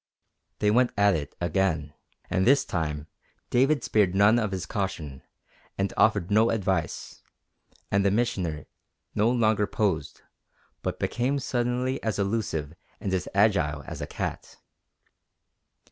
They went at it again, and this time David spared none of his caution, and offered no advice, and the Missioner no longer posed, but became suddenly as elusive and as agile as a cat.